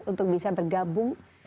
untuk bisa bergabung